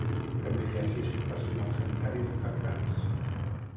També hi ha sis professionals sanitaris infectats.